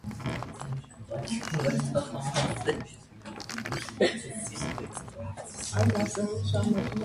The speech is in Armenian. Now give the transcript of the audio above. Մուղլայում առկա է քաղաքային զբոսայգի, ինչպես նաև մի շարք մզկիթներ։